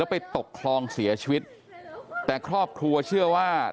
ไปตกคลองเสียชีวิตแต่ครอบครัวเชื่อว่า